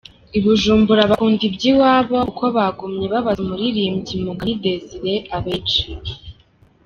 wi Bujumbura bakunda ibyiwabo kuko bagumye babaza umuririmvyi Mugani Desire abenshi.